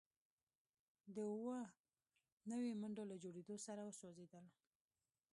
د اووه نوي منډو له جوړیدو سره وسوځیدل